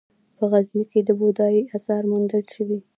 په غزني کې د بودايي اثار موندل شوي